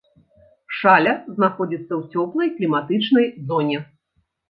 Шаля знаходзіцца ў цёплай кліматычнай зоне.